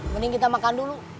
mending kita makan dulu